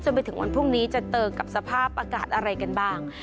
ไปถึงวันพรุ่งนี้จะเจอกับสภาพอากาศอะไรกันบ้าง